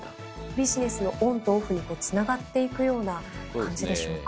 ビジネスのオンとオフにつながっていくような感じでしょうか？